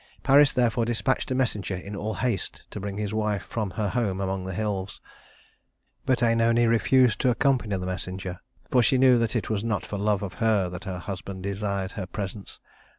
Paris therefore dispatched a messenger in all haste to bring his wife from her home among the hills; but Œnone refused to accompany the messenger, for she knew that it was not for love of her that her husband desired her presence.